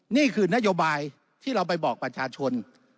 นี่คือนโยบายที่เราไปบอกประชาชน